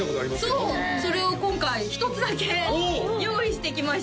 そうそれを今回１つだけ用意してきました